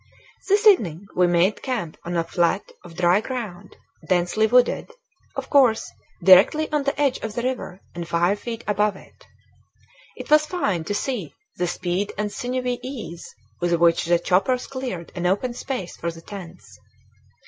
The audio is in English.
This evening we made camp on a flat of dry ground, densely wooded, of course, directly on the edge of the river and five feet above it. It was fine to see the speed and sinewy ease with which the choppers cleared an open space for the tents.